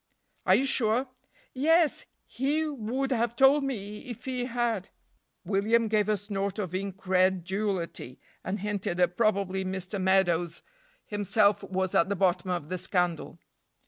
"Are you sure?" "Yes! he would have told me if he had." William gave a snort of incredulity, and hinted that probably Mr. Meadows himself was at the bottom of the scandal.